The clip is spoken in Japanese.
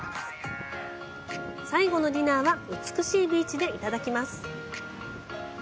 最後のディナーは美しいビーチでいただきます！